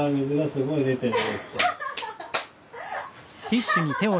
すごい出てる。